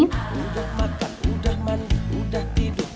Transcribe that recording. eh eh eh ah udah makan udah manis udah tidur